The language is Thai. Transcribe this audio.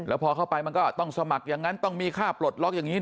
พอเข้าไปมันก็ต้องสมัครอย่างนั้นต้องมีค่าปลดล็อกอย่างนี้